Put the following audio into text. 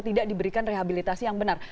tidak diberikan rehabilitasi yang benar